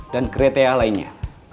dan kriteria lainnya